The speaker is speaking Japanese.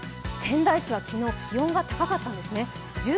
仙台市は昨日、気温が高かったんですね。